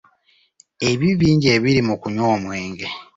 Ebibi bingi ebiri mu kunywa omwenge.